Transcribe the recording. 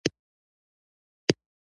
سپورت د خپل ژوند برخه وګرځوئ.